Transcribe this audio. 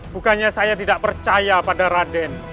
bukannya saya tidak percaya pada raden